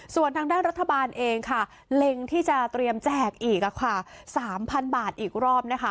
ส่วนทางด้านรัฐบาลเองค่ะเล็งที่จะเตรียมแจกอีก๓๐๐๐บาทอีกรอบนะคะ